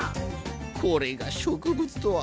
これが植物とは。